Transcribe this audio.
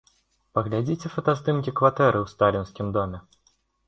Паглядзіце фотаздымкі кватэры ў сталінскім доме.